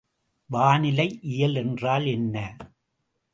வானிலை இயல் என்றால் என்ன?